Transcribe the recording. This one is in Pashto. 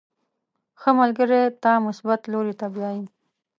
• ښه ملګری تا مثبت لوري ته بیایي.